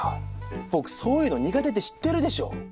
僕そういうの苦手って知ってるでしょ。